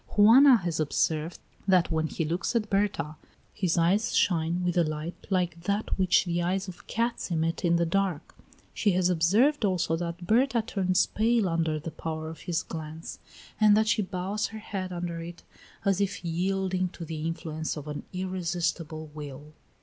Juana has observed that when he looks at Berta his eyes shine with a light like that which the eyes of cats emit in the dark; she has observed also that Berta turns pale under the power of his glance, and that she bows her head under it as if yielding to the influence of an irresistible will.